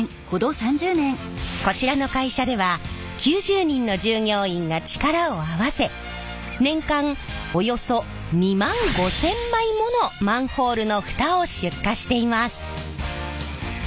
こちらの会社では９０人の従業員が力を合わせ年間およそ２万５，０００枚ものマンホールの蓋を出荷しています。